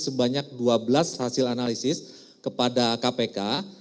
sebanyak dua belas hasil analisis kepada kpk